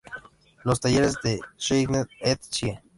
Los talleres de Schneider et Cie.